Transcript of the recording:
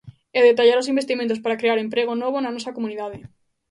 E detallará os investimentos para crear emprego novo na nosa comunidade.